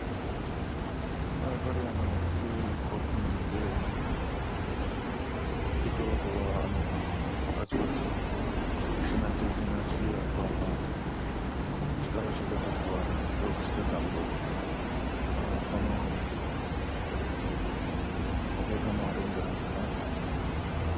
やっぱり、遊牧民で移動とかあちこちしないといけないしあと、力仕事とかをよくしていたのでそのおかげもあるんじゃないかなと思います。